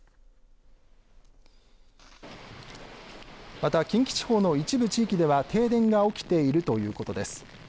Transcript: また近畿地方の一部地域では停電が起きているということです。